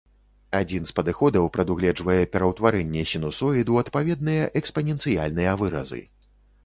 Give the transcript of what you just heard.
Адзін з падыходаў прадугледжвае пераўтварэнне сінусоід ў адпаведныя экспаненцыяльныя выразы.